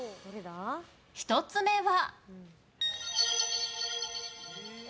１つ目は。